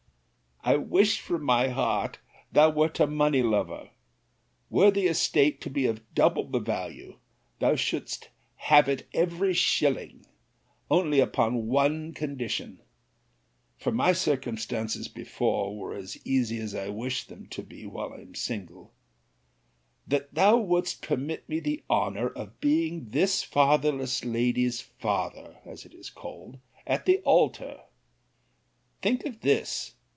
I wish, from my heart, thou wert a money lover! Were the estate to be of double the value, thou shouldst have it every shilling; only upon one condition [for my circumstances before were as easy as I wish them to be while I am single]—that thou wouldst permit me the honour of being this fatherless lady's father, as it is called, at the altar. Think of this!